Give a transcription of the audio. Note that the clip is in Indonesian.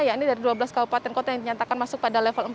ya ini dari dua belas kabupaten kota yang dinyatakan masuk pada level empat